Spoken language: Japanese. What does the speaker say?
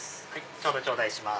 ちょうど頂戴します。